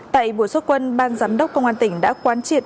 tại buổi xuất quân ban giám đốc công an tỉnh đã quán triệt